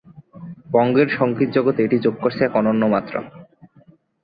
বঙ্গের সংগীত জগতে এটি যোগ করছে এক অনন্য মাত্রা।